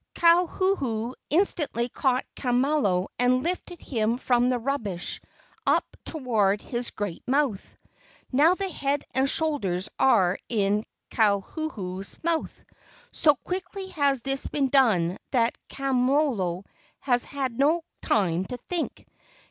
Kauhuhu instantly caught Kamalo and lifted him from the rubbish up toward his great mouth. Now the head and shoulders are in Kauhuhu's mouth. So quickly has this been done that Kamalo has had no time to think.